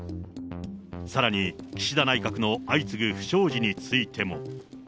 さらに岸田内閣の相次ぐ不祥事についても。